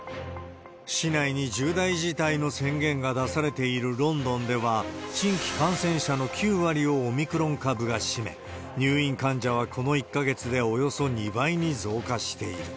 市内に重大事態の宣言が出されているロンドンでは、新規感染者の９割をオミクロン株が占め、入院患者はこの１か月でおよそ２倍に増加している。